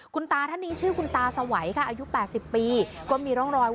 คุณตาท่านนี้ชื่อคุณตาสวัยค่ะอายุ๘๐ปีก็มีร่องรอย